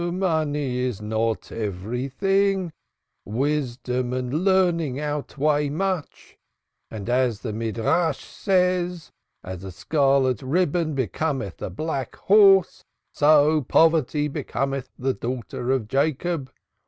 "Money is not everything. Wisdom and learning outweigh much. And as the Midrash says: 'As a scarlet ribbon becometh a black horse, so poverty becometh the daughter of Jacob.'